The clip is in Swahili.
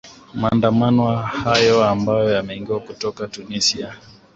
maandamano hayo ambayo yameigwa kutoka tunisia